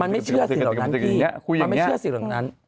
มันไม่เชื่อสิ่งเหล่านั้น